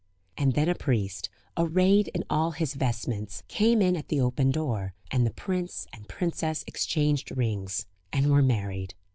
And then a priest, arrayed in all his vestments, came in at the open door, and the prince and princess exchanged rings, and were married.